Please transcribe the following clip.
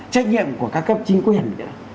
trách nhiệm của các cấp chính quyền